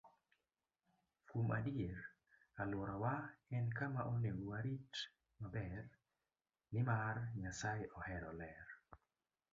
Kuom adier, alworawa en kama onego warit maber, nimar Nyasaye ohero ler.